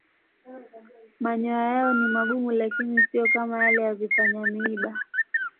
Manyoya yao ni magumu lakini siyo kama yale ya vipanya-miiba.